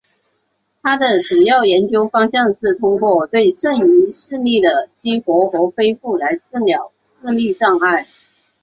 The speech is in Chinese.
他的主要研究方向是通过对剩余视力的激活和恢复来治疗视力障碍。